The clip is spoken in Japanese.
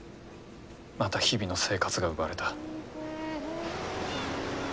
また日々の生活が奪われた。